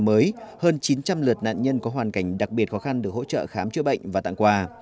mới hơn chín trăm linh lượt nạn nhân có hoàn cảnh đặc biệt khó khăn được hỗ trợ khám chữa bệnh và tặng quà